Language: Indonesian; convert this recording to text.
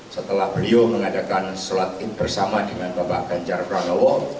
setelah beliau mengadakan sholat bersama dengan bapak ganjar pranowo